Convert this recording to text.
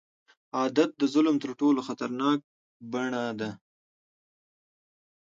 عادت د ظلم تر ټولو خطرناک بڼې ده.